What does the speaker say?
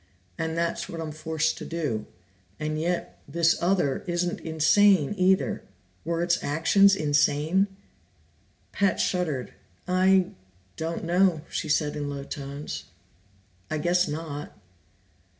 And that's what I'm forced to do. And yet this other isn't insane either. Were its actions insane?" Pat shuddered. "I don't know," she said in low tones. "I guess not."